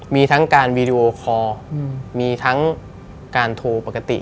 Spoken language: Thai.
มีทั้งการวีดีโอคอร์มีทั้งการโทรปกติ